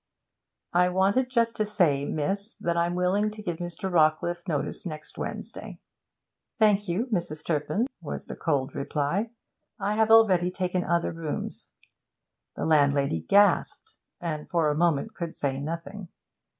'I wanted just to say, miss, that I'm willing to give Mr. Rawcliffe notice next Wednesday.' 'Thank you, Mrs. Turpin,' was the cold reply. 'I have already taken other rooms.' The landlady gasped, and for a moment could say nothing.